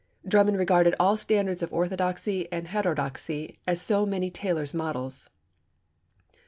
Drummond regarded all standards of orthodoxy and of heterodoxy as so many tailors' models.